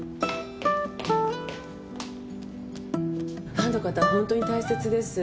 ファンの方は本当に大切です。